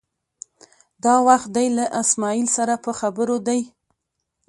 دا وخت دی له اسمعیل سره په خبرو دی.